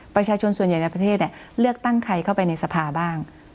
ประชาชนส่วนใหญ่ในประเทศเลือกตั้งใครเข้าไปในสภาบ้าง